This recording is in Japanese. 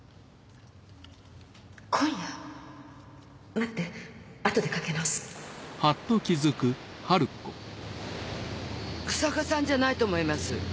待ってあとでかけ直す日下さんじゃないと思います。